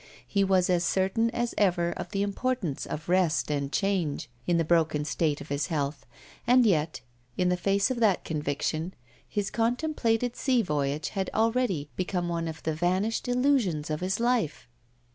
He was as certain as ever of the importance of rest and change, in the broken state of his health. And yet, in the face of that conviction, his contemplated sea voyage had already become one of the vanished illusions of his life!